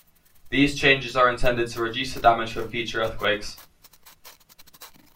These changes are intended to reduce the damage from future earthquakes.